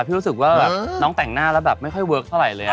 รู้สึกว่าน้องแต่งหน้าแล้วแบบไม่ค่อยเวิร์คเท่าไหร่เลย